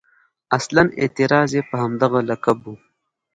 اصلاً اعتراض یې په همدغه لقب و.